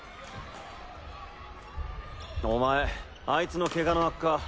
お前あいつのケガの悪化